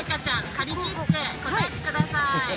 はりきって答えてください